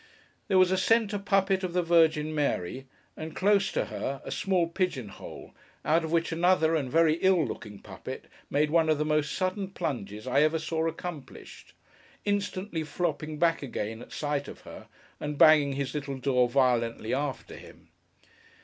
There was a centre puppet of the Virgin Mary; and close to her, a small pigeon hole, out of which another and a very ill looking puppet made one of the most sudden plunges I ever saw accomplished: instantly flopping back again at sight of her, and banging his little door violently after him.